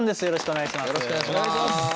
よろしくお願いします。